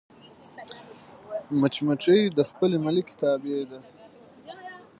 مچمچۍ د خپلې ملکې تابع ده